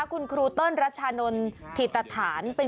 คุณครูต้นราชานนที่ตรฐาน